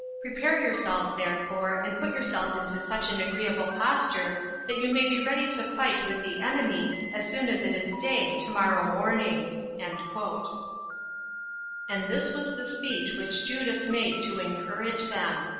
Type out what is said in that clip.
Prepare yourselves, therefore, and put yourselves into such an agreeable posture, that you may be ready to fight with the enemy as soon as it is day tomorrow morning." 4. And this was the speech which Judas made to encourage them.